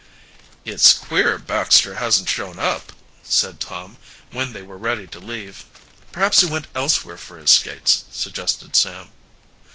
"It's queer Baxter hasn't shown up," said Tom, when they were ready to leave. "Perhaps he went elsewhere for his skates," suggested Sam.